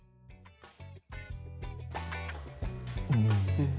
うん。